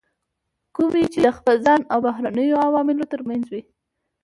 کومې چې د خپل ځان او بهرنیو عواملو ترمنځ وي.